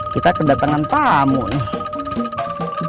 kita kedatangan tamu nih